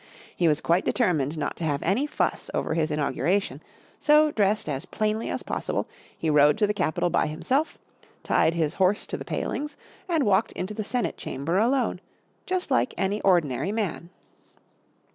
He was quite determined not to have any fuss over his inauguration, so dressed as plainly as possible, he rode to the Capitol by himself, tied his horse to the palings and walked into the Senate Chamber alone, just like any ordinary man.